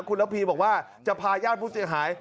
คุณระพีบอกว่าจะพาญาติผู้เสียหาย